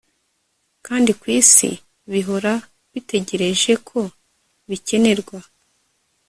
kandi ku isi, bihora bitegereje ko bikenerwa